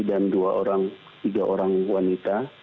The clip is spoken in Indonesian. dan dua orang tiga orang wanita